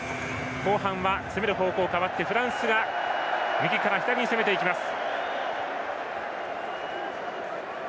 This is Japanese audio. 後半は攻める方向が変わってフランスが右から左に攻めていきます。